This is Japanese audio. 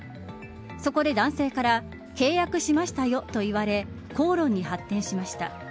そこで男性から契約しましたよ、と言われ口論に発展しました。